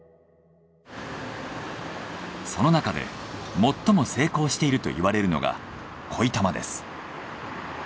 その中で最も成功していると言われるのが恋たまです。